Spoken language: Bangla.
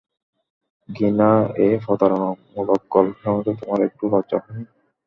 ঘৃণ্য এ প্রতারণামূলক গল্প শুনাতে তোমার একটুও লজ্জা হয়নি?